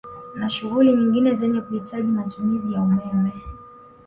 Na shughuli nyingine zenye kuhitaji matumizi ya umeme